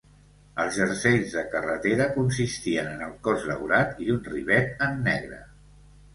Els jerseis de carretera consistien en el cos daurat i un rivet en negre.